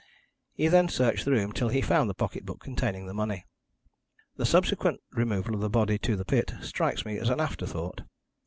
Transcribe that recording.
He then searched the room till he found the pocket book containing the money. "The subsequent removal of the body to the pit strikes me as an afterthought.